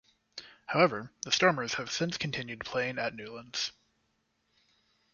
However, the Stormers have since continued playing at Newlands.